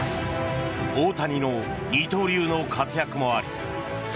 大谷の二刀流の活躍もあり侍